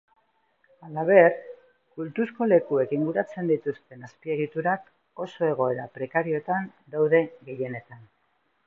Halaber, kultuzko lekuek inguratzen dituzten azpiegiturak oso egoera prekarioetan daude gehienetan.